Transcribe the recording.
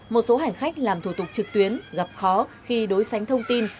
một số hành khách làm thủ tục trực tuyến gặp khó khi đối sánh thông tin